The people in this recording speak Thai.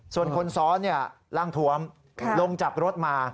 ส่วนคนซ้อนร่างทวมลงจากรถมา